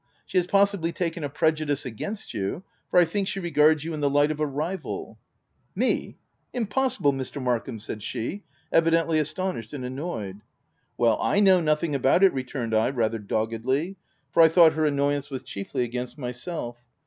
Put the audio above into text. She has possibly taken a prejudice against you, for I think she regards you in the light of a rival." "Me? Impossible Mr. Markham !" said she, evidently astonished and annoyed. " Well, I know nothing about it," returned I, rather doggedly ; for I thought her annoy ance was chiefly against myself.